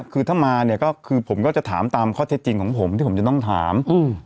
คือถ้ามาเนี่ยก็คือผมก็จะถามตามข้อเท็จจริงของผมที่ผมจะต้องถาม